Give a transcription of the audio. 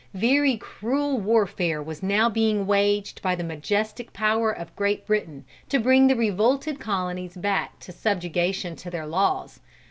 Very cruel warfare was now being waged by the majestic power of Great Britain to bring the revolted colonies back to subjection to their laws.